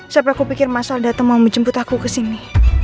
sampai aku pikir mas aldata mau menjemput aku kesini